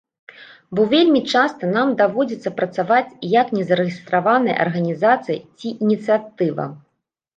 Бо вельмі часта нам даводзіцца працаваць як незарэгістраваная арганізацыя ці ініцыятыва.